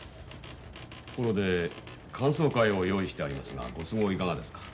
ところで歓送会を用意してありますがご都合いかがですか？